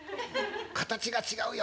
形が違うよ